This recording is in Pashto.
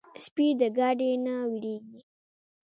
سپي د ګاډي نه وېرېږي.